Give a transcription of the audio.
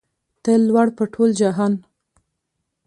ته لوړ په ټول جهان